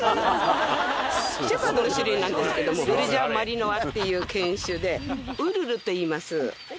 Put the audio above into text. シェパードの種類なんですけどベルジアン・マリノアっていう犬種でウルルといいます。